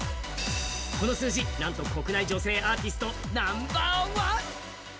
この数字、なんと国内女性アーティストナンバー１！